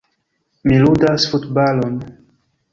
Mi ludas futbalon.